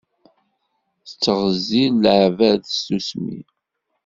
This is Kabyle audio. Tettɣezzil leɛbad s tsusmi.